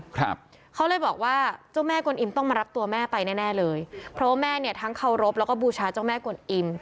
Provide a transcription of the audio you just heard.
ครับเขาเลยบอกว่าเจ้าแม่กวนอิมต้องมารับตัวแม่ไปแน่แน่เลยเพราะว่าแม่เนี่ยทั้งเคารพแล้วก็บูชาเจ้าแม่กวนอิ่ม